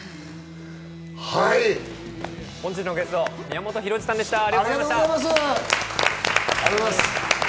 はい、本日のゲスト宮本浩次さんでした。